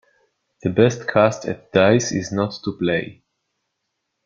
The best cast at dice is not to play.